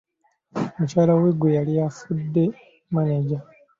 Mukyala we gwe yali afudde maneja.